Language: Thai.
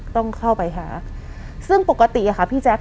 ต้องเข้าไปหาซึ่งปกติอะค่ะพี่แจ๊ค